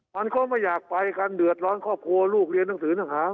มันก็ไม่อยากไปกันเดือดร้อนครอบครัวลูกเรียนหนังสือต่างหาก